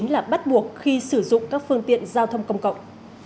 là bắt buộc khi sử dụng các phương tiện giao thông công cộng